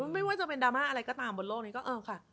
ไม่ว่าจะเป็นดราม่าอะไรก็ตามบนโลกนี้ก็เออค่ะ